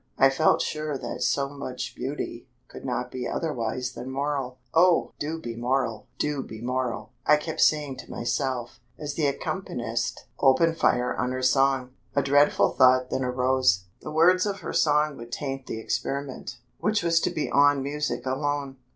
I felt sure that so much beauty could not be otherwise than moral. "Oh, do be moral! do be moral!" I kept saying to myself, as the accompanist opened fire on her song. A dreadful thought then arose: the words of her song would taint the experiment, which was to be on music alone.